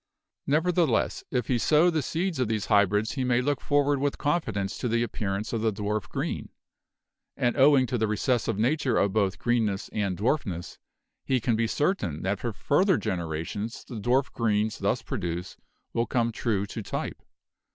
"Nevertheless, if he sow the seeds of these hybrids he may look forward with confidence to the appearance of the dwarf green. And owing to the recessive nature of both greenness and dwarfness, he can be certain that for further generations the dwarf greens thus produced will come true to type.